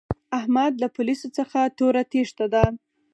احمد له پوليسو څخه توره تېښته ده.